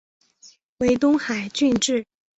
为东海郡治。